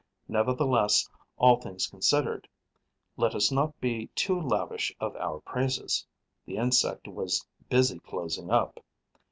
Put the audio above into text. Nevertheless, all things considered, let us not be too lavish of our praises. The insect was busy closing up.